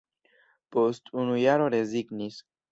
Post unu jaro rezignis.